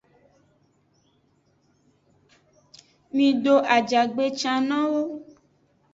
Mido ajagbe can nowo.